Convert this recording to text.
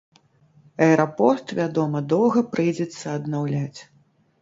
Аэрапорт, вядома, доўга прыйдзецца аднаўляць.